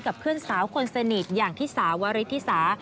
กับเพื่อนสาวคนสนิทอย่างที่สาวริธิสา